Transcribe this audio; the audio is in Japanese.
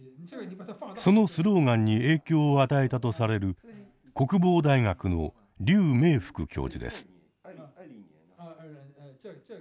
そのスローガンに影響を与えたとされる国防大学の劉明福教授です。